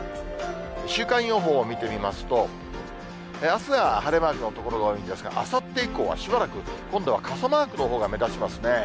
週間予報を見てみますと、あすは晴れマークの所が多いんですが、あさって以降はしばらく、今度は傘マークのほうが目立ちますね。